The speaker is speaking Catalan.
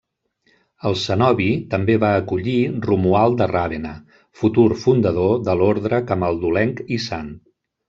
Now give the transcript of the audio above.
El cenobi també va acollir Romuald de Ravenna, futur fundador de l'orde camaldulenc i sant.